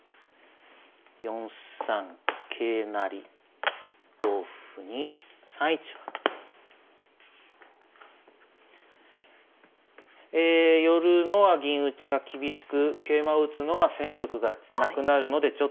４三桂成同歩に３一馬。え寄るのは銀打ちが厳しく桂馬を打つのは戦力がなくなるのでちょっとやりにくい。